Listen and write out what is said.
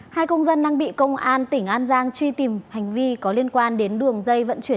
hai công dân đang bị công an tỉnh an giang truy tìm hành vi có liên quan đến đường dây vận chuyển